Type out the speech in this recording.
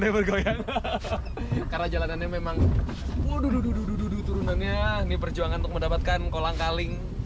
karena jalanannya memang waduh duduk turunannya nih perjuangan untuk mendapatkan kolang kaling